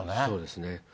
そうですね。